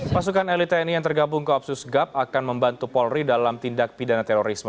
pasukan elit tni yang tergabung ke opsus gap akan membantu polri dalam tindak pidana terorisme